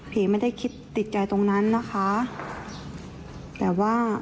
เพย์ก็ไม่ได้ติดใจตรงนั้นนะคะ